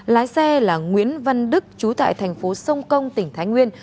lái xe là nguyễn văn đức chú tại thành phố sông công tỉnh thái nguyên